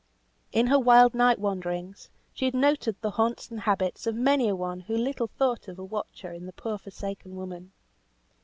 In her wild night wanderings, she had noted the haunts and habits of many a one who little thought of a watcher in the poor forsaken woman.